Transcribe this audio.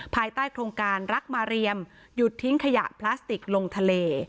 ภายใต้โครงการรักมาเรียมหยุดทิ้งขยะพลาสติกลงทะเล